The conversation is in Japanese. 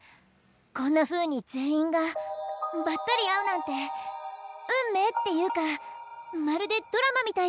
こんなふうに全員がばったり会うなんて運命っていうかまるでドラマみたいです。